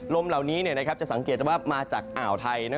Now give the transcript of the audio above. ลมเหล่านี้จะสังเกตว่ามาจากอ่าวไทย